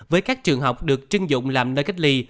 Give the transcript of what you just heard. với các trường học được trưng dụng làm nơi cách ly